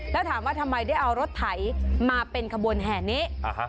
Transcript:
แล้วถามว่าทำไมได้เอารถไถมาเป็นขบวนแห่นี้